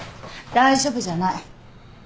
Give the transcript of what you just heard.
大丈夫じゃない。